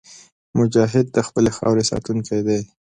مجاهد د خپلې خاورې ساتونکی دی.